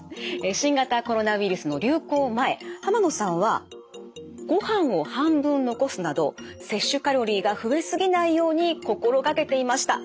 新型コロナウイルスの流行前濱野さんはご飯を半分残すなど摂取カロリーが増えすぎないように心がけていました。